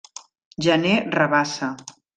Gener Rabassa.